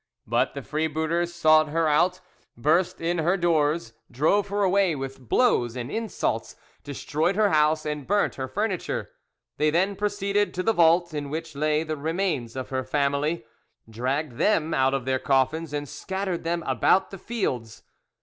But the freebooters sought her out, burst in her doors, drove her away with blows and insults, destroyed her house and burnt her furniture. They then proceeded to the vault in which lay the remains of her family, dragged them out of their coffins and scattered them about the fields.